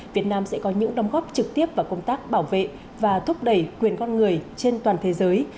việt nam sẽ có những đồng góp trực tiếp vào công tác bảo vệ và thúc đẩy quyền con người trên toàn thế giới